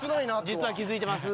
実は気づいてます。